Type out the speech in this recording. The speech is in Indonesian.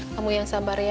kamu yang sabar ya